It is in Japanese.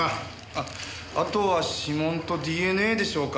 あっあとは指紋とＤＮＡでしょうか。